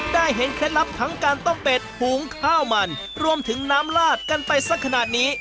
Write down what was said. ได้เห็นเคล็ดลับทั้งการต้มเป็ดหุงข้าวมันรวมถึงน้ำลาดกันไปสักขนาดนี้